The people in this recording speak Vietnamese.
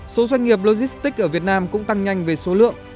số doanh nghiệp logistics ở việt nam cũng tăng nhanh về số lượng